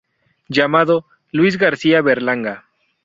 Llamado "Luís García Berlanga".